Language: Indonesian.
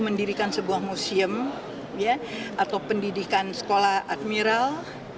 mendirikan sebuah museum atau pendidikan sekolah admiral